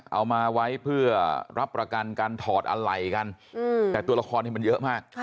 เอามาไว้เพื่อรับประกันการถอดอะไรกันแต่ตัวละครมันเยอะมาก